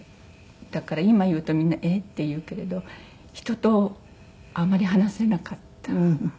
だから今言うとみんな「えっ！」って言うけれど人とあまり話せなかった。